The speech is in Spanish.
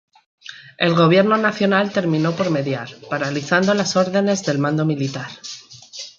El Gobierno nacional terminó por mediar, paralizando las órdenes del mando militar.